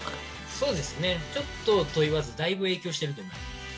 そうですねちょっとと言わずだいぶ影響してると思います。